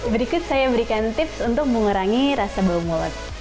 berikut saya memberikan tips untuk mengerangi rasa bau mulut